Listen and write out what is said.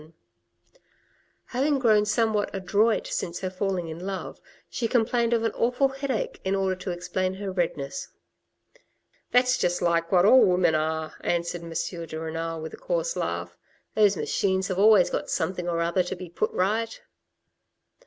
4 50 THE RED AND THE BLACK Having grown somewhat adroit since her falling in love, she complained of an awful headache in order to explain her redness. "That's just like what all women are," answered M. de Renal with a coarse laugh. "Those machines have always got something or other to be put right."